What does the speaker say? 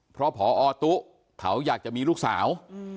เพราะพอตุ๊เขาอยากจะมีลูกสาว